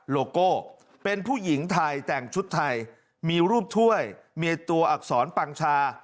โลโก้เป็นผู้หญิงไทยแต่งชุดไทยมีรูปถ้วยมีตัวอักษรปังชา